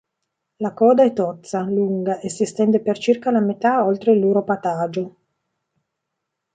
La coda è tozza, lunga e si estende per circa la metà oltre l'uropatagio.